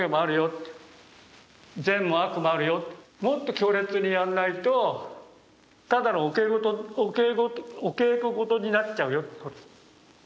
もっと強烈にやんないとただのお稽古事になっちゃうよってこと。